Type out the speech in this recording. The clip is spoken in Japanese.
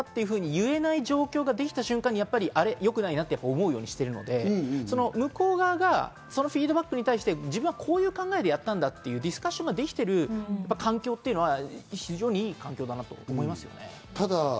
って言えない状況ができた状況が良くないと思うようにしているので、このフィードバックに対して自分はこういう考えでやったんだというディスカッションができている環境は、非常に良い環境だと思いますね。